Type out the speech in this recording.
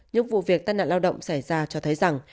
những vụ việc tai nạn lao động xảy ra cho thấy rằng